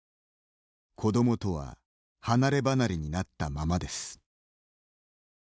子どもとは離れ離れになったままです。